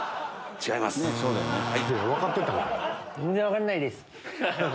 全然分かんないです。